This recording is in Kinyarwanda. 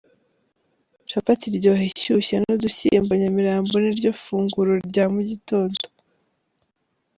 Capati iryoha ishyushye nudushyimbo nyamirambo niryo funguro rya mugitondo